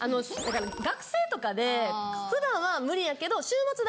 学生とかで普段は無理やけど。